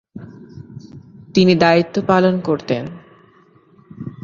তিনি দায়িত্ব পালন করতেন।